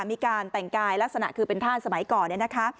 มีการแต่งกายลักษณะคือเป็นท่านสมัยก่อนนะคะ